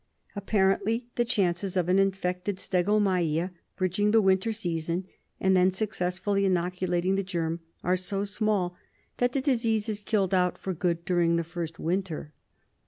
Apparently the chances of an infected stegomyia bridging the winter season and then successfully inoculating the germ are so small that the disease is killed out for good during the first winter.